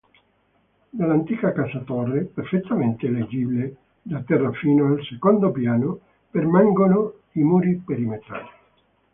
Dell'antica casa-torre, perfettamente leggibile da terra fino al secondo piano, permangono i muri perimetrali.